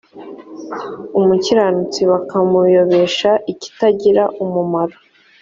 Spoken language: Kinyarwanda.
umukiranutsi bakamuyobesha ikitagira umumaro